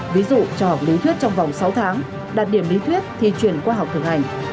ví dụ cho học lý thuyết trong vòng sáu tháng đạt điểm lý thuyết thì chuyển qua học thực hành